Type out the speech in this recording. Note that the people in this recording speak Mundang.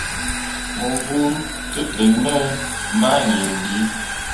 Mo vuu tǝdiŋni me mah yie bii.